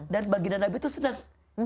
dan baginda nabi itu senang